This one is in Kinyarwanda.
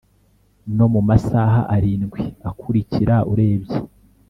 Nomumasaha arindwi akurikira urebye